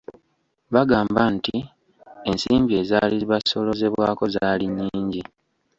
Bagamba nti ensimbi ezaali zibasoloozebwako zaali nnyingi.